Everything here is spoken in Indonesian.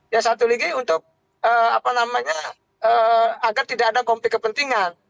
ya satu lagi untuk agar tidak ada konflik kepentingan